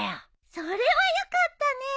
それはよかったね。